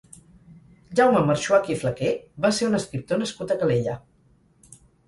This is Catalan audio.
Jaume Marxuach i Flaquer va ser un escriptor nascut a Calella.